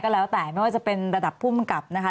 แล้วแต่ไม่ว่าจะเป็นระดับภูมิกับนะคะ